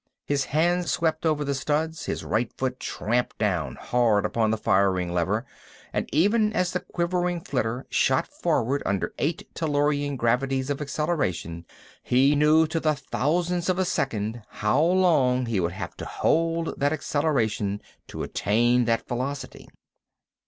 His hand swept over the studs, his right foot tramped down, hard, upon the firing lever; and, even as the quivering flitter shot forward under eight Tellurian gravities of acceleration, he knew to the thousandth of a second how long he would have to hold that acceleration to attain that velocity.